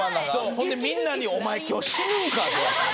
ほんでみんなに「お前今日死ぬんか！」って言われて。